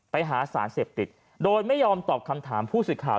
ไปหาสารเสพติดโดยไม่ยอมตอบคำถามผู้สื่อข่าว